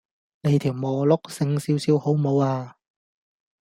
你條磨碌醒少少好無呀